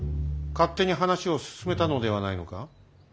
勝手に話を進めたのではないのか？